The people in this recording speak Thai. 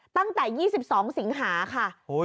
ตั้งแต่ยี่สิบสองสิงหาค่ะโอ้ย